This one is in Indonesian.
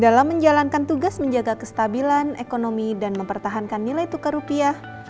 dalam menjalankan tugas menjaga kestabilan ekonomi dan mempertahankan nilai tukar rupiah